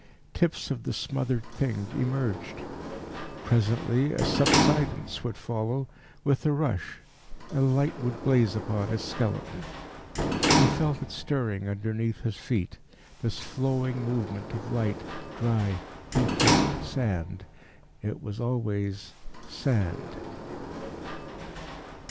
Tips of the smothered thing emerged. Presently a subsidence would follow with a rush and light would blaze upon its skeleton. He felt it stirring underneath his feet this flowing movement of light, dry, heaped up sand. It was always sand.